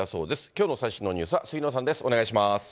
きょうの最新のニュースは杉野さんです。